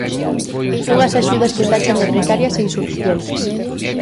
Unhas axudas que tachan de "precarias" e insuficientes.